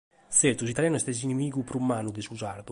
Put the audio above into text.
Tzertu, s’italianu est s’inimigu prus mannu de su sardu.